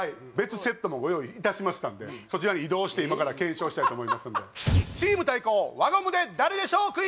別セットもご用意いたしましたんでそちらに移動して今から検証したいと思いますんでチーム対抗輪ゴムで誰でしょう？